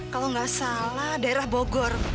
kalau nggak salah daerah bogor